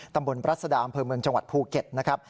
รัศดาอำเภอเมืองจังหวัดภูเก็ตนะครับ